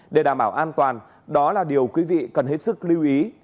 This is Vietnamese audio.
để đảm bảo an toàn đó là điều quý vị cần hết sức lưu ý